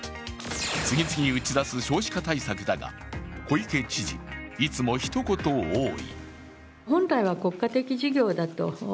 次々打ち出す少子化対策だが、小池知事、いつも一言多い。